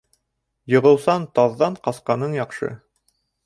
Йоғоусан таҙҙан ҡасҡаның яҡшы.